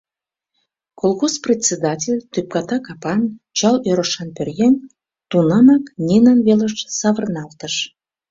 Колхоз председатель, тӧпката капан, чал ӧрышан пӧръеҥ, тунамак Нинан велыш савырналтыш.